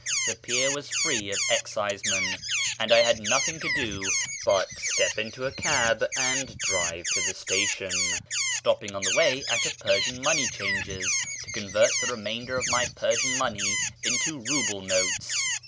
the pier was free of excisemen, and I had nothing to do but step into a cab and drive to the station, stopping on the way at a Persian money changer's to convert the remainder of my Persian money into rouble notes.